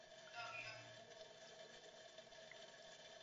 kulingana na maana ya kawaida ya maneno yake